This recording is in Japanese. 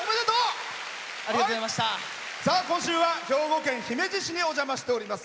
今週は兵庫県姫路市にお邪魔しております。